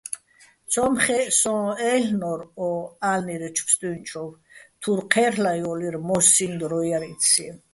ცო́მ ხე́ჸ სო́ჼ-აჲლ'ნო́რ ო ა́ლნირეჩო̆ ფსტუჲნჩოვ, თურ ჴე́რლ'აჲო́ლიჼ, მო́სსიჼ დრო ჲარი́ცი̆.